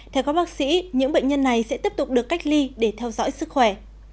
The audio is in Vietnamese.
theo các bác sĩ những bệnh nhân này sẽ tiếp tục được cách ly để theo dõi sức khỏe